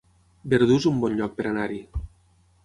Verdú es un bon lloc per anar-hi